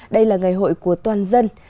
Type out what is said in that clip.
đây là ngày hội của toàn dân